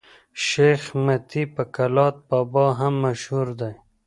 شېخ متي په کلات بابا هم مشهور دئ.